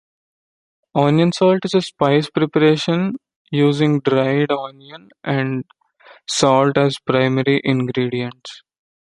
Onion salt is a spice preparation using dried onion and salt as primary ingredients.